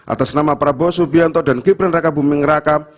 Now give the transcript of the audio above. atas nama prabowo subianto dan gibran raka buming raka